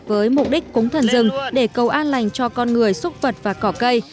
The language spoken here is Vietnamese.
với mục đích cúng thần rừng để cầu an lành cho con người xúc vật và cỏ cây